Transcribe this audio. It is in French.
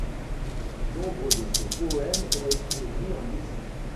Nombre de ses poèmes ont été mis en musique.